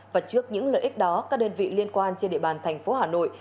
và trước những lợi ích đó các đơn vị liên quan trên địa bàn thành phố hà nội